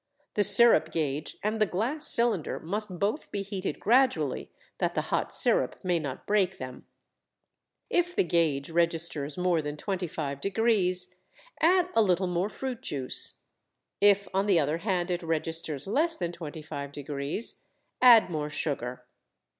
The sirup gauge and the glass cylinder must both be heated gradually that the hot sirup may not break them. If the gauge registers more than 25°, add a little more fruit juice. If, on the other hand, it registers less than 25°, add more sugar.